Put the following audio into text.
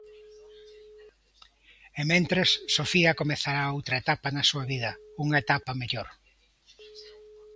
E mentres, Sofía comezará outra etapa na súa vida, unha etapa mellor.